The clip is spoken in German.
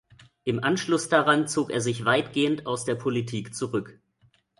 Im Anschluss daran zog er sich weitgehend aus der Politik zurück.